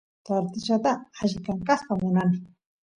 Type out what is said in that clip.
tortillata alli kankasqa munani